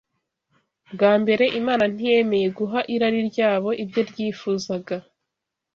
Bwa mbere, Imana ntiyemeye guha irari ryabo ibyo ryifuzaga